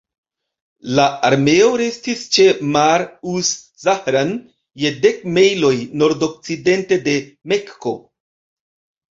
La armeo restis ĉe Marr-uz-Zahran, je dek mejloj nordokcidente de Mekko.